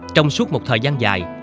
trong suốt một thời gian dài